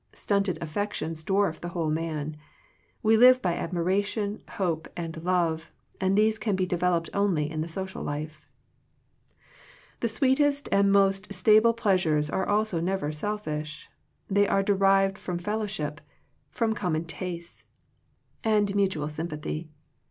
Stunted affections dwarf the whole man. We live by admiration, hope, and love, and these can be devel oped only in the social life. The sweetest and most stable pleasures also are never selfish. They are derived from fellowship, from common tastes. 67 Digitized by VjOOQIC THE FRUITS OF FRIENDSHIP and mutual sympathy.